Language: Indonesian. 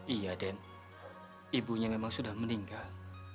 iya den ibunya memang sudah meninggal